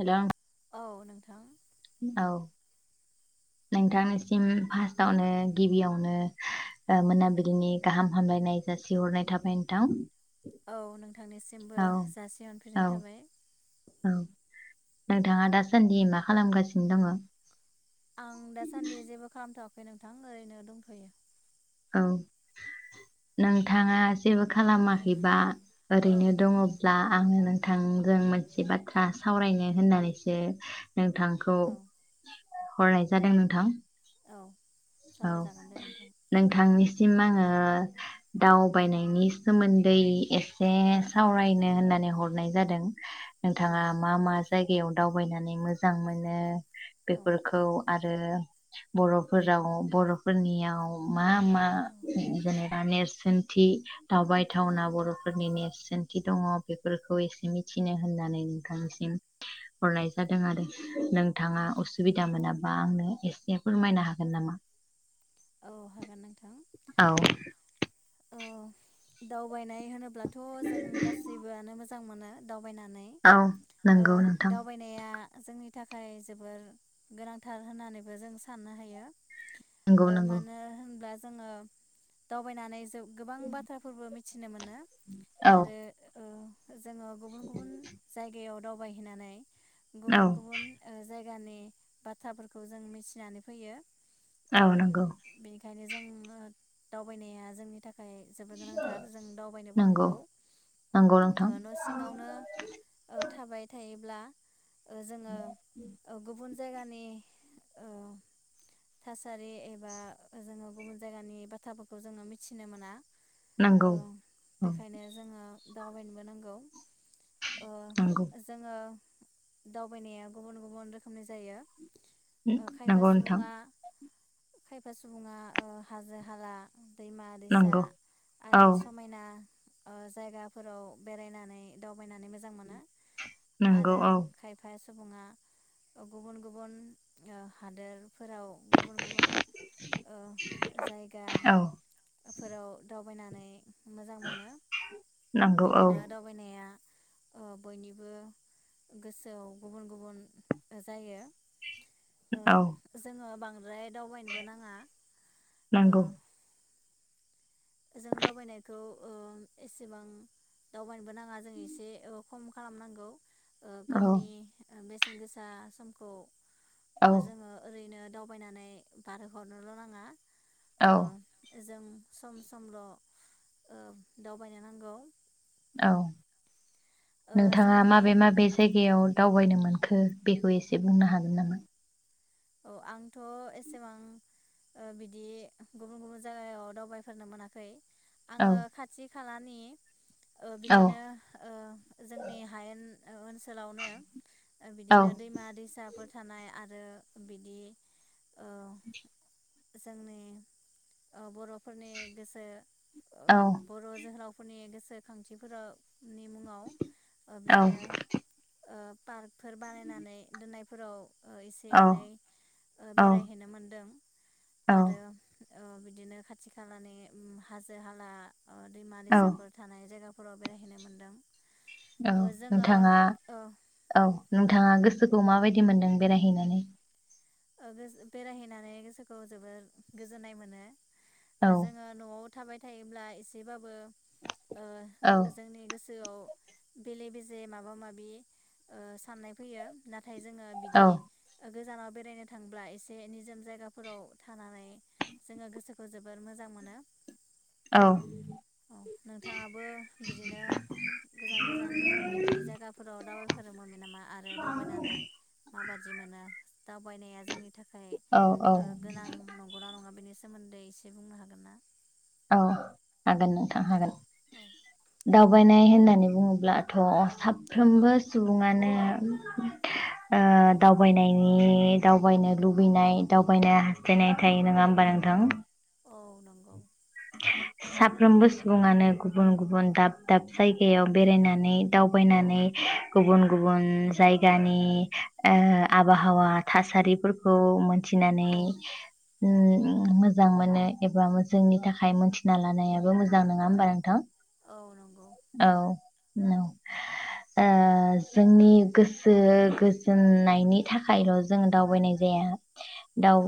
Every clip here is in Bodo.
हेलौ औ नोंथां औ नोंथांनिसिम फार्स्टावनो गिबियावनो औ ओ मोनाबिलिनि गाहाम हामलायनाय जासिहरनाय थाबाय नोंथां। औ नोंथांनिसिमबो औ औ जासिहरफिननाय थाबाय। औ नोंथाङा दासान्दि मा खालामगासिनो दङ? आं दासान्दि जेबो खालामथआ खै नोंथां ओरैनो दंथ'यो औ नोंथाङा जेबो औ खालामाखैबा औ ओरैनो दङब्ला आङो नोंथांजों मोनसे बाथ्रा सावरायनो होननानैसो नोंथांखौ औ हरनाय जादों नोंथां। औ औ सावरायजागोन दे नोंथां नोंथांनि सिम आङो दावबायनायनि सोमोन्दै एसे औ सावरायनो होननानै हरनाय जादों। औ नोंथाङा मा मा जायगायाव दावबायनानै मोजां मोनो। बेफोरखौ आरो आरो बर'फोर राव बर'फोरनियाव मा मा औ जेनेबा नेरसोनथि औ दावबायथावना बरफोरनि नेरसोनथि दङ बेफोरखौ एसे मिथिनो होननानै नोंथांनिसिम हरनाय जादों आरो नोंथाङा असुबिदा मोनाबा आंनो एसे फोरमायनो हा गोन नामा? औ हागोन नोंथां। औ ओ दाव बायनाय होनोब्लाथ' जों गासैबोआनो मोजां मोजां मोनो दाव बायनानै औ ओ नंगौ नोंथां दावबायनाया जोंनि थाखाय जोबोर गोनांथार होननानैबो जों साननो हायो। नंगौ ओ नंगौ मानो होनब्ला जोङो दावबायनानै गोबां बाथ्राफोरबो मिथिनो मोनो औ आरो ओ जोङो गुबुन गुबुन जायगायाव दावबायहैनानै औ गुबुन गुबुन ओ जायगा गानि बाथ्राफोरखौ जों मिथिनानै फैयो। औ नोंगौ बेनिखायनो जों ओ दावबायनाया जोंनि थाखाय जोबोद गोनांथार जों दावबायनोबो नंगौ नांगौ नंगौ ओ नोंथां न' सिङावनो ओ थाबाय थायो ब्ला ओ जोङो ओ गुबुन जायगानि ओ थासारि एबा जोङो गुबुन जायगानि बाथ्राफोरखौ जोङो मिथिनो मोना। नोंगौ औ दावबायबोनांगौ। ओ नंगौ जोङो दावबायनाया गुबुन गुबुन रोखोमनि जायो। उम ओ खायफा नोंगौ नोथां। सुबुङा खायफा सुबुङा ओ हाजो हाला दैमा दैसा नंगौ औ आरि समायना ओ जायगाफोराव बेरायनानै दावबायनानै मोजां मोनो। नंगौ आरो औ खायफा सुबुङा ओ गुबुन गुबुन ओ हादोरफोराव गुबुन गुबुन ओ जायगा औ फोराव दाव थायनानै [unintelligible] मोजां मोनो नंगौ औ बिदिनो दावबायनाया ओ बयनिबो गोसोआव गुबुन गुबुन ओ जायो औ द्राय दावबायनोबो नाङा ओ नंगौ जों दावबायनायखौ ओ एसेबां दावबायनोबो नांग आ जों एसे [unintelligible] खम खालामनांगौ ओ औ गावनिबेस गोसा समखौ औ ओ जोङो ओरैनो दावबायनानै बारहो हरनोल' नाङा औ ओ जों सम समल' दावबायनो नांगौ औ ओ नोंथाङा जोंनि माबे माबे औ जायगायाव दावबायनोमोन बेखौ एसे बुंनो हागोन नामा? औ आंथ' एसेबां बिदि गुबुन गुबुन जायगायाव दावबायफोरनो मोनाखै। औ आङो खाथि खालानि ओ औ बिदिनो ओ जोंनि हायेन ओनसोलावनो औ बिदिनो दैमा दैसा फोर थानाय आरो बिदि ओ [inaudible] जोंनि बर'फोरनि गोसो ओ औ बर' जोहोलाव फोरनि गोसोखांथिफोराव नि मुङाव औ बिदिनो ओ पार्कफोर बानायनानै दोननायफोराव एसे औ एनै बेरायहैनो मोनदों आरो औ बिदिनो खाथि खालानि ओम हाजो हाला अ दैमा औ दैसाफोर थानाय जायगा फोराव बेरायहैनो मोन्दों। औ नोंथाङा ओ औ उम नोंथाङा गोस खौ माबायदि मोन्दों बेरायहैनानै? ओ गोस-बेरायहैनानै गोसोखौ जोबोर गोजोननाय मोनो। औ जोङो न'आव थाबाय थायोब्ला एसेबाबो ओ औ जोंनि गोस ओआव बेले बेजे माबा माबि ओ साननाय फैयो नाथ थाय जोङो औ बिदि गोजानाव बेरायनो थांब्ला एसे निजोम जायगाफोराव थानानै जोङो गोसोखौ जोबोर मोजां मोनो। औ औ नोंथाङाबो बिदिनो गोजान गोजान बिदि जायगाफोराव दावबायफेरनो मोनबाय नामा आरो दावबायनानै माबादि मोनो? दावबायनाया जोंनि थाखाय औ औ ओ गोनां नंगौना नङा बेनि सोमोन्दै एसे बुंनो हागोन ना? औ हागोन नोंथां हागोन। औ दावबायनाय होननानै बुङोब्लाथ' साफ्रोमबो सुबुङानो ओह दावबायनायनि दावबायनो लुबैनाय दावबायनो हास्थायनाय थायो नङा होम्बा नोंथां? औ नंगौ [unintelligible] साफ्रोमबो सुबुङानो गुबुन गुबुन दाब दाब जायगायाव बेरायनानै दावबायनानै गुबुन गुबुन जायगानि ओ आबहावा थासारिफोरखौ मोन थिनानै औ उम मोजां मोनो एबा जोंनि थाखाय मोनथिना लानायाबो मोजां नङा होमबा नोंथां? औ नंगौ औ ओ जोंनि गोसो गोजोननायनि थाखायल' जोङो दावबायनाय जाया।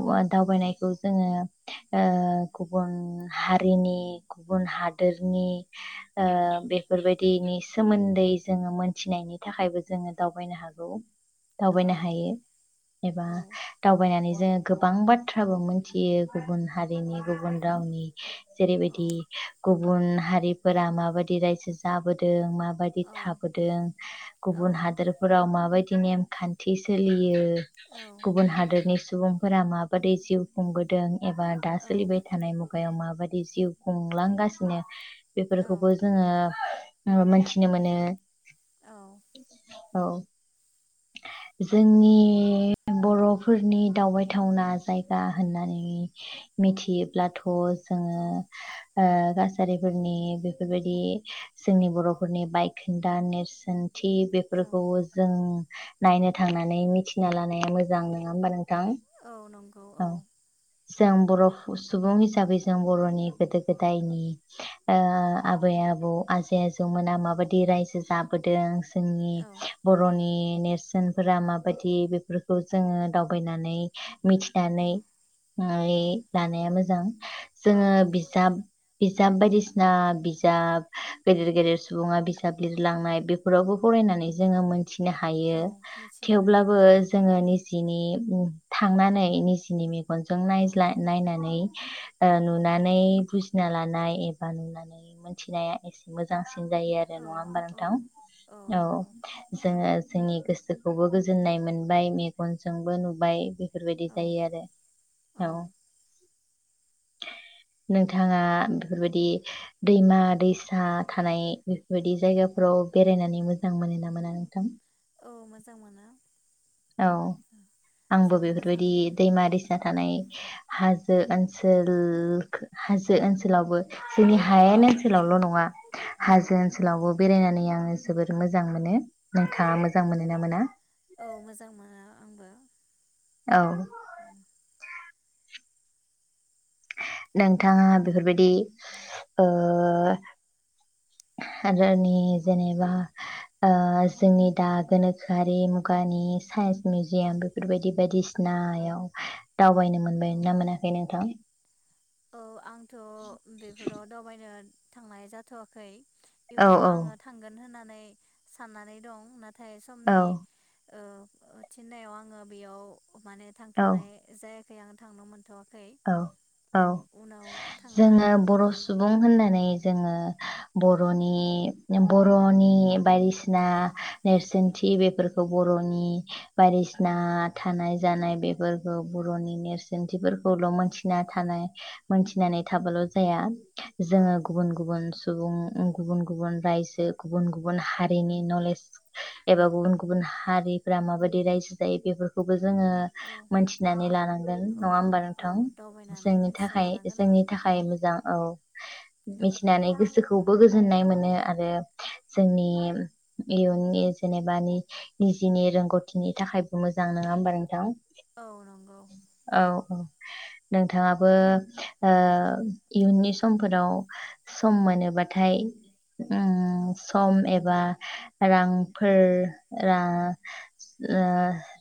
औ जोङो ओ गुबुन हारिनि गुबुन हादोरनि ओ औ बेफोरबाय दिनि सोमोन्दै जोङो मोन्थिनायनि थाखायबो जोङो दावबायनो हागौ औ दावबायनो हायो एबा दावबायनानै जोङो गोबां बाथ्राबो मोनथियो गुबुन औ हारिनि गुबुन रावनि जेरैबायदि गुबुन हारिफोरा माबादि रायजो जाबोदों मा बायदि थाबोदों औ गुबुन हादोरफोराव‌ माबायदि नेम खान्थि सोलियो, गुबुन हादोरनि सुबुंफोरा माबादि जिउ खुंबोदों एबा दा सोलिबाय मुगायाव माबायदि जिउ खुंलांगासिनो बेफोरखौबो जोङो उम मोनथिनो मोनो औ [inaudible] औ। जोंनि बर'फोरनि दावबायथावना जायगा होननानै मिथियोब्लाथ औ जोङो ओ कछारिफोरनि बेफोरबायदि जोंनि बर'फोरनि बायखोन्दा नेरसोनथि औ बेफोरखौ जों नायनो थांनानै मिथिना लानाया मोजां नोङा होमबा नों थां। औ नंगौ औ जों बर' सुबुं हिसाबै जों बर'नि गोदो गोदायनि ओ आबै आबौ आजै आजौमोना माबायदि रायजो जाबोदों जोंनि औ बर'नि नेरसोनफोरा माबायदि बेफोरखौ जों दावबायनायनानै मिथि नानै औ औ लानाया मोजां। जोङो औ बिजाब बिजाब बायदिसिना बिजाब गेदेर गेदेर सुबुङा बिजाब लिरलांनाय बेफोरावबो फरायनानै जोङो मो न्थिनो हायो। औ मिथिनो हायो थेवब्लाबो औ जोङो निजिनि थांनानै [unintelligible] सिनिमे मेगनजों औ नायज्ला नायनानै ओ औ नुनानै बुजिना ला नाय एबा नुनानै मोन्थिनाया एसे मोजां। बांसिन जायो आरो औ नङा होमबा औ नोंथां। औ जोङो जोंनि गोसोखौबो गोजोननाय मोनबाय मेगनजोंबो नुबाय बेफोरबायदि। औ जायो आरो औ। नोंथाङा बेफोरबायदि दैमा दैसा थानाय बेफोरबायदि जायगाफोराव बेरायनानै मोजां मोनो ना मोना नोंथां? औ मोजां मोनो। औ आंबो जोबोर मोजां बेफोरबायदि मोनो दैमा दैसा थानाय हाजो ओनसोलखो हाजो ओनसोलावबो जोंनि औ हायेन हाजो ओनसोल ओनसोलावल' नङा औ हाजो ओनसोलावबो बेरायनानै आङो जोबोर मोजां मोनो। औ नोंथाङा मोजां मोनो ना मोना? औ मोजां मोनो आंबो औ नोंथाङा बेफोरबायदि ओ हाजोनि जेनेबा ओ जोंनि दा गोनोखोआरि मुगानि साइन्स औ मिउजियाम बेफोरबायदि बायदि सिनायाव दावबायनो औ मोनबायना मोनाखै नोंथां? औ आं थ' बेफोराव दावबायनो थांनाय जाथ'वाखै। औ इयुनाव आङो थांगोन होनना नै साननानै दं। ना थाय औ समनि ओ थिनायाव आङो बेयाव माने औ थांथ'नाय जाया खै आं थांनो मोनथ'वाखै औ औ उनाव थांनो जोङो बर' मोनो सुबुं होननानै जोङो बरनि बर'नि बायदिसि ना औ नेरसोन थि बेफोरखौ बर'नि बायदिसिना थानाय जानाय बेफोरखौ बर'नि नेरसोनथिफोर औ खौल'मोनथिना थानाय मोनथिनानै थाबाल' जाया औ जोङो गुबुन गुबुन सुबुं गुबुन गुबुन रायजो गुबुन गुबुन हारिनि नलेज एबा गुबुन गुबुन हारिफोरा माबायदि रायजो जायो बेफोरखौबो जोङो औ मोनथिनानै लानांगोन औ नङा होमबा नोंथां। औ थां दावबायनानै जोंनि मिथिना थाखाय लानांगोन जोंनि थाखाय मोजां औ औ मिथिनानै गोसोखौ बो गोजोननाय मोनो आरो जोंनि इयुननि जेनेबा निजेनि रोंगौथिनि थाखायबो मोजां नङा होमबा नोंथां। औ नंगौ औ नोंथाङाबो ओ इयुननि समफोराव सम मोनोबाथाय औ उम सम एब बा रांफोर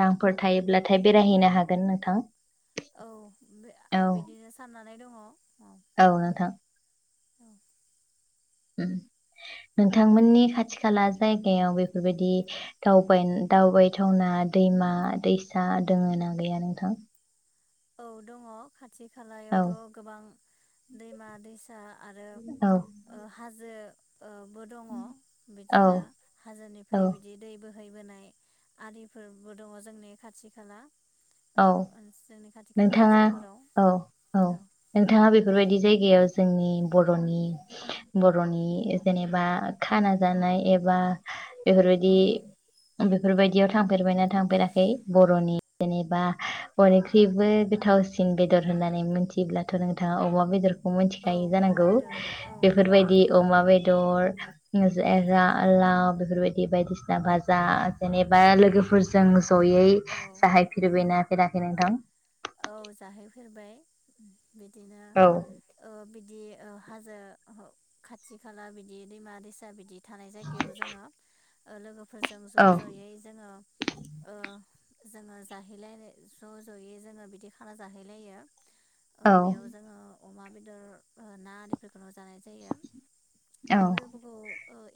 रांफोर थायोब्लाथाय बेरायहैनो हागोन नोंथां। औ औ आं बिदिनो साननानै नै दङ औ नोंथां औ नोंथांमोननि खाथि खाला जायगायाव बेफोरबायदि दावबाय दावबायथावना दैमा दैसा दोङ ना गैया नोंथां? औ दङ खा खाथि औ खालायावथ' गोबां दैमा दैसा आरो औ हाजो बो दङ औ बिदिनो औ हाजोनिफ्राय बिदि दै बोहै बोहैबोनाय आरिफोरबो दङ जोंनि खाथि खाला औ नोंथाङा औ औ नोंथाङा बेफोरबायदि जायगायाव जोंनि बर'नि बर'नि जेनेबा खाना जानाय एबा बेफोरबायदि औ बेफोरबायदियाव थांफेरबायना थांफेराखै बर'नि जेनेबा थेबो गोथावसिन बेदर होननानै मिथिब्लाथ' नोंथाङा अमा बेदर औ मिथिखायो अमा जानांगौ बेदर औ बेफोरबायदि अमा बायदि बेदर जा लाव बेफोरबायदि बायदिसिना भाजा जेनेबा औ लोगोफोरजों जयै औ जाहायफेरबायना खोनाखै नोंथां औ जाहैफेरबाय बिदिनो औ ओ बिदि हाजो खाथि खाला बिदि दैमा दैसा बिदि थानाय जायगायाव जोङो अ लोगो फोरजों औ ज' ज'यै जोङो ओ जोङो जाहैलायनाय ज' ज'यै जोङो बिदि खाना जाहैलायो औ बेयाव जोङो अमा बेदर ना आरिफोरखौल' जानाय जायो औ अमा बेदरफोरखौ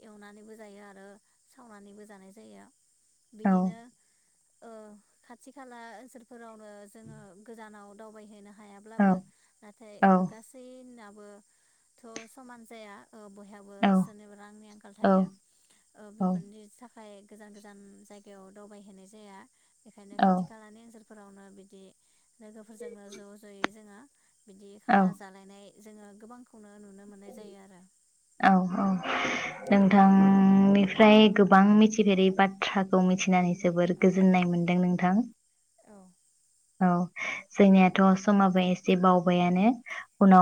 एवनानैबो जायो आरो सावनानैबो जानाय जायो औ बिदिनो ओ खाथि खाला ओनसोलफोरावनो जोङो गोजानाव दावबायहैनो औ हायाब्लाबो नाथाय औ गासै नाबो थ समान जाया ओ बयहाबो औ सोरनिबा रांनि आंखाल थायो ओ औ बेफोरनि थाखाय फाय गोजान गोजान जायगायाव दावबायहैनाय जाया बेखायनो खाथि खालानि ओनसोल फोरावनो बिदि बिदि लोगोफोरजोंनो ज जयै जोङो बिदि औ खाना जालायनाय जोङो गोबांखौनो नुनो मोननाय जायो आरो औ औ नोंथांनि फ्राय गोबां मिथिफेरै बाथ्राखौ मिथिनानै जोबोर औ गोजोननाय मोन्दों नोंथां थां औ औ जोंनियााथ समाबो एसे बावबायानो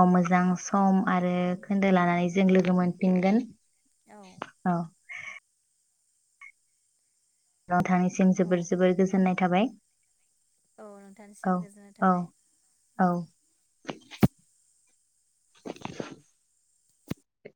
औ मोजां स सम आरो खोन्दो लानानै जों लोगो मोनफिनगोन औ औ [unintelligible] जों औ जोबोर जोबोर गोजोननाय थाबाय औ औ नोंथांनिसिमबो गोजोननाय औ थाबाय औ